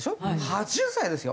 ８０歳ですよ！